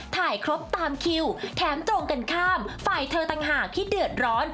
ถ่ายครบตามคิวแถมตรงกันข้ามฝ่ายเธอต่างหากที่เดือดร้อน